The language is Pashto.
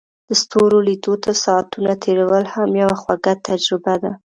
د ستورو لیدو ته ساعتونه تیرول هم یوه خوږه تجربه ده.